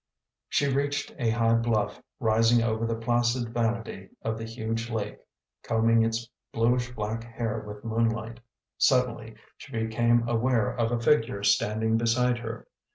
She reached a high bluff rising over the placid vanity of the huge lake, combing its bluish black hair with moonlight. Sud denly she became aware of a figure standing beside her.